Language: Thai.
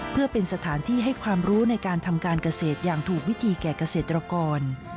เพื่อเป็นสถานที่ให้ความรู้ในการทำการเกษตรอย่างถูกวิธีแก่เกษตรกร